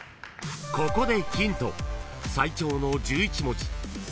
［ここで］